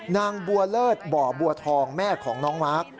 นางบัวเลิศบ่อบัวทองแม่ของน้องมาร์ค